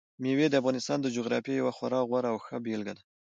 مېوې د افغانستان د جغرافیې یوه خورا غوره او ښه بېلګه ده.